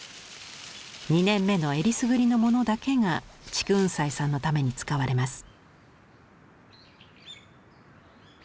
２年目のえりすぐりのものだけが竹雲斎さんのために使われます。